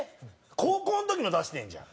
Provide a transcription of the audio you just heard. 高校の時の出してるじゃん。